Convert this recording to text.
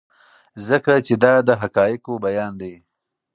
ځکه چې دا د حقایقو بیان دی.